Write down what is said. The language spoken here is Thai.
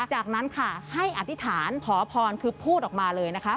จากนั้นค่ะให้อธิษฐานขอพรคือพูดออกมาเลยนะคะ